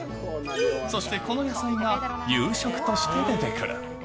そしてこの野菜が夕食として出てくる。